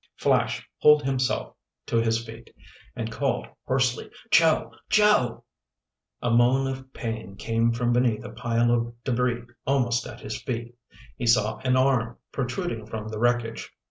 Flash pulled himself to his feet and called hoarsely: "Joe! Joe!" A moan of pain came from beneath a pile of debris almost at his feet. He saw an arm protruding from the wreckage.